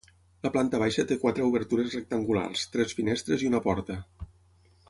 La planta baixa té quatre obertures rectangulars, tres finestres i una porta.